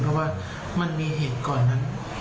เพราะว่ามันมีเหตุก่อนนั้น